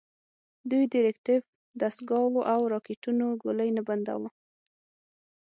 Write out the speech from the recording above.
دوی د ریکتیف دستګاوو او راکېټونو ګولۍ نه بنداوه.